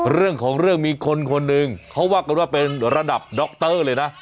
เรื่องของเรื่องมีคนคนหนึ่งเขาว่ากันว่าเป็นระดับดรเลยนะ